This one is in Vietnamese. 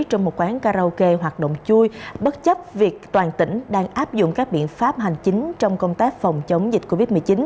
trong một quán karaoke hoạt động chui bất chấp việc toàn tỉnh đang áp dụng các biện pháp hành chính trong công tác phòng chống dịch covid một mươi chín